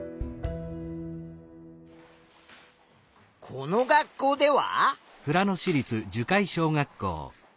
この学校では？